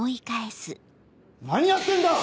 何やってんだ！